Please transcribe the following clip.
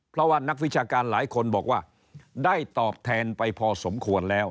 เพราะว่านักวิชาการหลายคนบอกว่าได้ตอบแทนไปพอสมควรแล้ว